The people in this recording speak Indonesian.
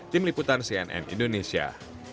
tim liputan cnn indonesia